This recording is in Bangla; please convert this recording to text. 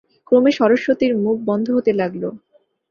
ক্রমে সরস্বতীর মুখ বন্ধ হতে লাগল।